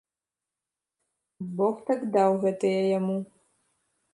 Бог так даў гэтая яму.